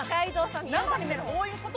こういうこと？